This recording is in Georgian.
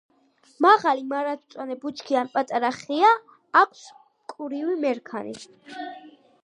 მაღალი მარადმწვანე ბუჩქი ან პატარა ხეა, აქვს ლამაზი მკვრივი მერქანი.